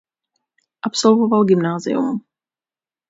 Absolvoval gymnázium.